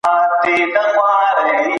سوداګر هڅه کوي نوي بازارونه پیدا کړي.